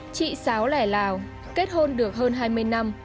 chị sáo lè lào kết hôn được hơn hai mươi năm